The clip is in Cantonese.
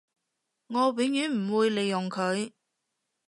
我永遠唔會利用佢